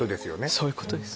そういうことです